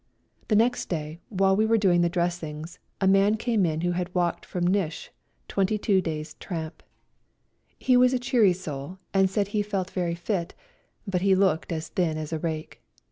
The next day, while we were doing the dressings, a man came in who had walked from Nish, twenty two days' tramp. He was a cheery soul, and said he felt very fit, but he looked as thin as a rake.